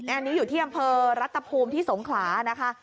อันนี้อยู่ที่อำเภอรัตภูมิที่สงขลานะคะ